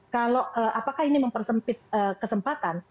kalau apakah ini mempersempit kesempatan